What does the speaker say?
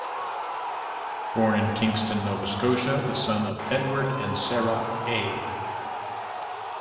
Born in Kingston, Nova Scotia, the son of Edward and Sarah A.